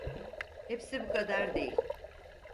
Hepsi bu kadar değil.